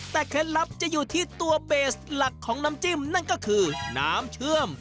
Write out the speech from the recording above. แต่เคล็ดลับจะอยู่ที่ตัวเบสหลักของน้ำจิ้มนั่นก็คือน้ำเชื่อม